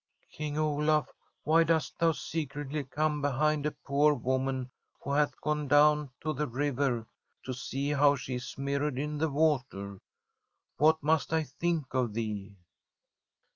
' King Olaf, why dost thou secretly come be hind a poor woman who hath gone down to the river to see how she is mirrored in the water? What must I think of thee